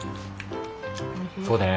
そうだよね。